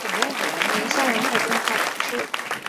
梅塞人口变化图示